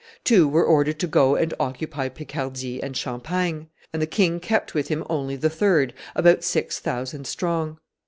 Two were ordered to go and occupy Picardy and Champagne; and the king kept with him only the third, about six thousand strong.